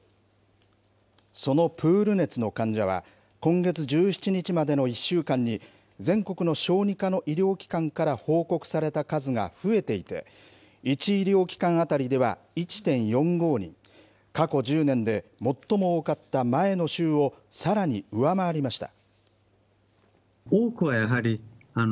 そのプール熱の患者は、今月１７日までの１週間に、全国の小児科の医療機関から報告された数が増えていて、１医療機関当たりでは１．４５人、過去１０年で最も多かった前の週をさらに上回りました。